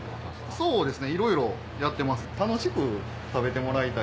そうですねいろいろやってます。